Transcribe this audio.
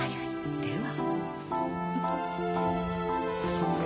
では。